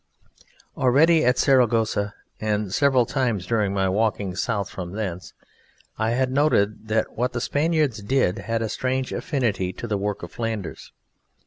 Already at Saragossa, and several times during my walking south from thence, I had noted that what the Spaniards did had a strange affinity to the work of Flanders.